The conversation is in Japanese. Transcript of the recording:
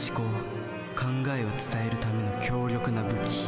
考えを伝えるための強力な武器。